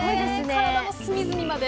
体の隅々まで。